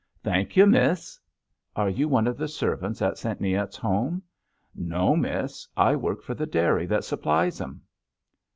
"Thank you, miss." "Are you one of the servants at St. Neot's Home?" "No, miss. I work for the dairy that supplies them."